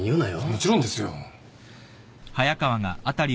もちろんですよ。